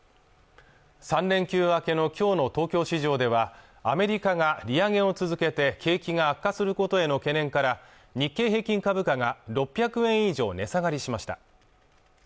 ３連休明けのきょうの東京市場ではアメリカが利上げを続けて景気が悪化することへの懸念から日経平均株価が６００円以上値下がりしました